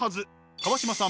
川島さん